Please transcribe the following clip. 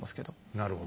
なるほど。